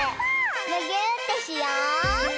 むぎゅーってしよう！